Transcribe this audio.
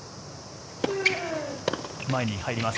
前に入ります。